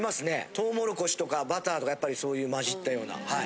とうもろこしとかバターとかやっぱりそういう混じったようなはい。